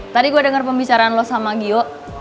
tadi gue dengar pembicaraan lo sama gio